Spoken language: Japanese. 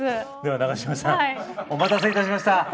永島さんお待たせいたしました。